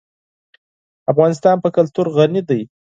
افغانستان په کلتور غني دی.